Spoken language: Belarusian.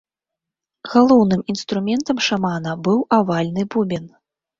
Галоўным інструментам шамана быў авальны бубен.